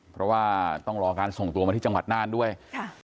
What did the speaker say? เพราะว่าต้องรอการส่งตัวมาที่จังหวัดน่านด้วยค่ะ